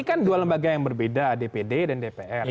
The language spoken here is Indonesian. ini kan dua lembaga yang berbeda dpd dan dpr